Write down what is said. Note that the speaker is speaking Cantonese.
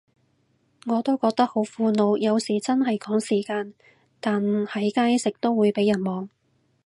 我都覺得好苦惱，有時真係趕時間，但喺街食都會被人望